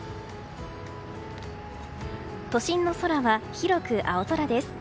都心の空は広く青空です。